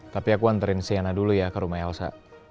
tapi aku anterin siana dulu ya ke rumah elsa